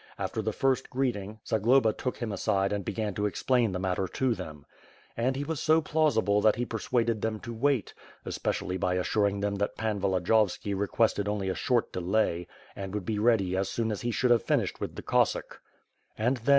After the first greeting, Zagloba took him aside and began to explain the matter to them. And he was so plausible that he per suaded them to wait, especially by assuring them that Pan Volodiyovski requested only a short delay and would be ready as soon as he should have finished with the Cossack. And, then.